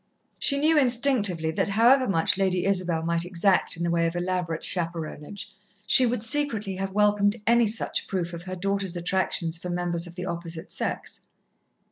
She knew instinctively that however much Lady Isabel might exact in the way of elaborate chaperonage, she would secretly have welcomed any such proof of her daughter's attraction for members of the opposite sex.